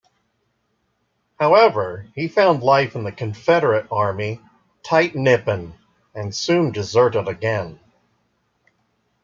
However, he found life in the Confederate Army "tite nippin" and soon deserted again.